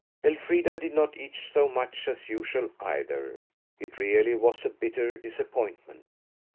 Elfrida did not eat so much as usual either. It really was a bitter disappointment.